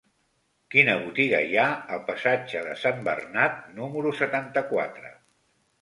Quina botiga hi ha al passatge de Sant Bernat número setanta-quatre?